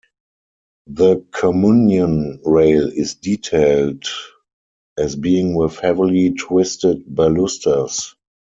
The communion rail is detailed as being with heavily twisted balusters.